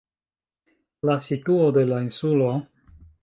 La situo de la insulo.